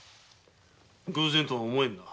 偶然とは思えんな。